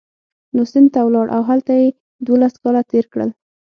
نو سند ته ولاړ او هلته یې دوولس کاله تېر کړل.